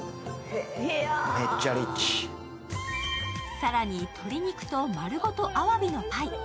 更に、鶏肉と丸ごとアワビのパイ。